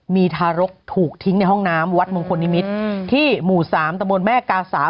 มีทารกถูกทิ้งในห้องน้ำวัดมงคลนิมิตรที่หมู่๓ตะบนแม่กาสา